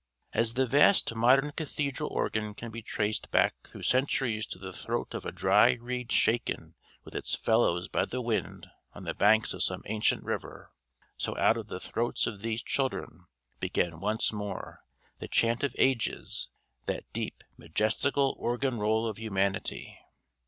As the vast modern cathedral organ can be traced back through centuries to the throat of a dry reed shaken with its fellows by the wind on the banks of some ancient river, so out of the throats of these children began once more the chant of ages that deep majestical organ roll of humanity.